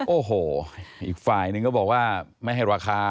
โอ้โหอีกฝ่ายนึงก็บอกว่าไม่ให้ราคา